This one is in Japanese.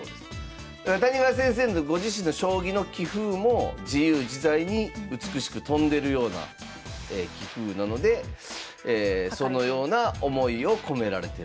谷川先生のご自身の将棋の棋風も自由自在に美しく飛んでるような棋風なのでそのような思いを込められてると。